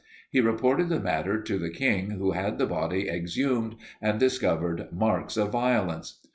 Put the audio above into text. He reported the matter to the King who had the body exhumed and discovered marks of violence.